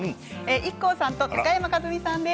ＩＫＫＯさん、高山一実さんです。